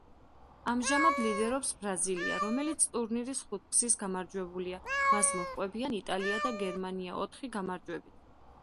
ამჟამად ლიდერობს ბრაზილია, რომელიც ტურნირის ხუთგზის გამარჯვებულია, მას მოჰყვებიან იტალია და გერმანია ოთხი გამარჯვებით.